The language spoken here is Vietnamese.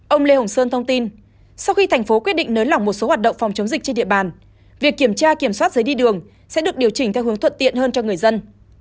ông lê hồng sơn thông tin sau khi thành phố quyết định nới lỏng một số hoạt động phòng chống dịch trên địa bàn việc kiểm tra kiểm soát giấy đi đường sẽ được điều chỉnh theo hướng thuận tiện hơn cho người dân